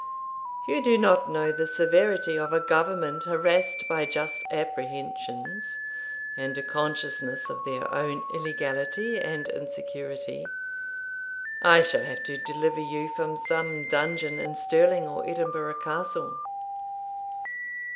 'You do not know the severity of a government harassed by just apprehensions, and a consciousness of their own illegality and insecurity. I shall have to deliver you from some dungeon in Stirling or Edinburgh Castle.'